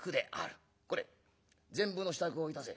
これ膳部の支度をいたせ」。